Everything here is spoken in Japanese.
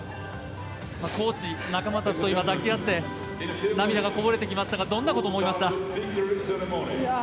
コーチ、仲間たちと抱き合って涙がこぼれてきましたがどんなことを思いましたか。